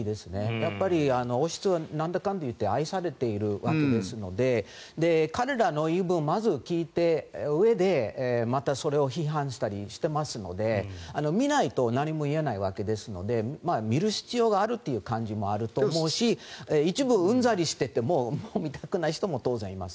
やっぱり王室はなんだかんだ言って愛されているわけですので彼らの言い分をまず聞いたうえでまたそれを批判したりしていますので見ないと何も言えないわけですので見る必要があるという感じもあると思うし一部うんざりしててもう見たくない人も当然います。